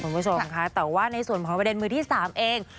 คุณผู้ชมค่ะแต่ว่าในส่วนของประเด็นมือที่๓เอง